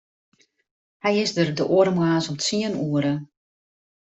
Hy is der de oare moarns om tsien oere.